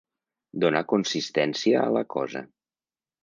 Donar consistència a la cosa.